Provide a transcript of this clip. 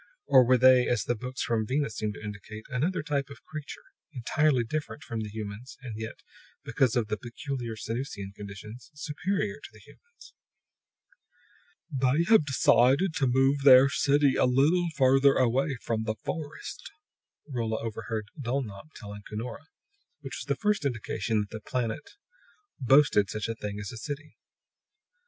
Or were They, as the books from Venus seemed to indicate, another type of creature, entirely different from the humans, and yet, because of the peculiar Sanusian conditions, superior to the humans? "They have decided to move their city a little farther away from the forest," Rolla overheard Dulnop telling Cunora; which was the first indication that the planet boasted such a thing as a city.